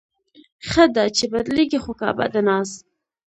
ښه ده، چې بدلېږي خو کعبه د ناز